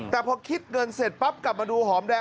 แต่พอคิดเงินเสร็จปั๊บกลับมาดูหอมแดง